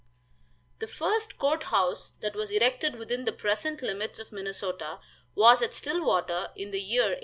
The first court house that was erected within the present limits of Minnesota was at Stillwater, in the year 1847.